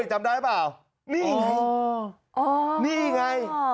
จับได้ป่ะนี่ไงนี่ไง